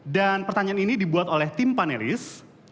dan pertanyaan ini dibuat oleh tim panelis